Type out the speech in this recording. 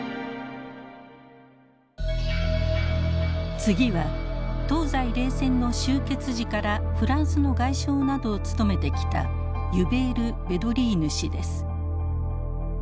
次は東西冷戦の終結時からフランスの外相などを務めてきたユベール・ヴェドリーヌ氏です。